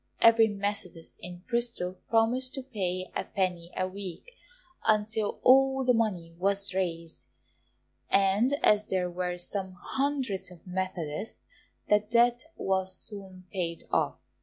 Every Methodist in Bristol promised to pay a penny a week until all the money was raised; and as there were some hundreds of Methodists, the debt was soon paid off.